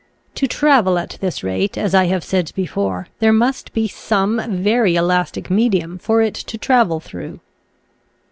To travel at this rate, as I have said before, there must be some very elastic medium for it to travel through.